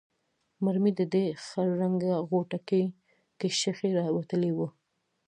مرمۍ په دې خړ رنګه غوټکیو کې شخې راوتلې وې.